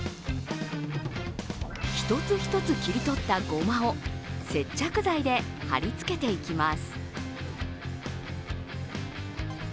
一つ一つ切り取ったごまを接着剤で貼り付けていきます。